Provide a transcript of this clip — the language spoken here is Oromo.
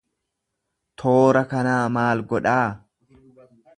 Toora kanaa maal godhaa?